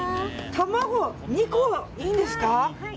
卵２個いいんですか。